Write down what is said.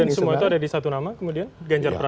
dan semua itu ada di satu nama kemudian ganjar pranowo